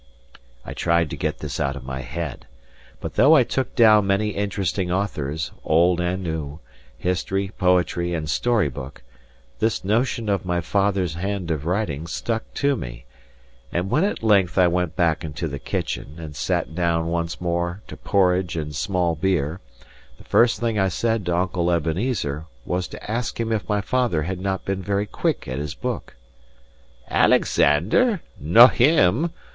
I tried to get this out of my head; but though I took down many interesting authors, old and new, history, poetry, and story book, this notion of my father's hand of writing stuck to me; and when at length I went back into the kitchen, and sat down once more to porridge and small beer, the first thing I said to Uncle Ebenezer was to ask him if my father had not been very quick at his book. "Alexander? No him!"